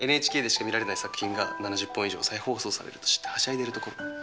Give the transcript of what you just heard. ＮＨＫでしか見られない作品が７０本以上再放送されると知ってはしゃいでるところ。